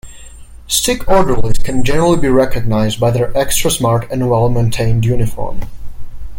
Stick Orderlies can generally be recognized by their extra-smart and well-maintained uniform.